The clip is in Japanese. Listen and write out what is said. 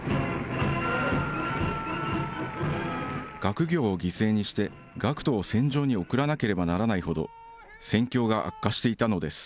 学業を犠牲にして学徒を戦場に送らなければならないほど、戦況が悪化していたのです。